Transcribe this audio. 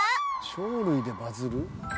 「鳥類でバズる？」